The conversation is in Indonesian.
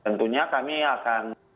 tentunya kami akan